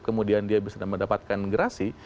kemudian dia bisa mendapatkan gerasi